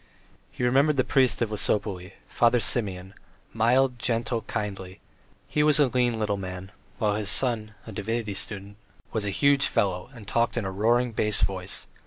He remembered the priest of Lesopolye, Father Simeon mild, gentle, kindly; he was a lean little man, while his son, a divinity student, was a huge fellow and talked in a roaring bass voice.